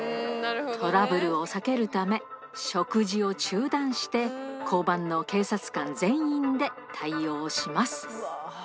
トラブルを避けるため、食事を中断して、交番の警察官全員で対応します。